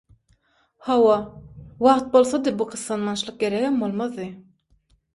- Hawa. Wagt bolsady bu gyssanmaçlyk geregem bolmazdy...